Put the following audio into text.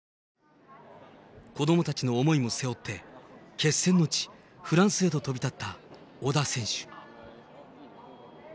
子どもたちの思いも背負って、決戦の地、フランスへと飛び立った小田選手。